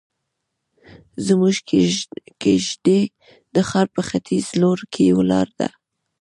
زموږ کيږدۍ د ښار په ختيز لور کې ولاړه ده.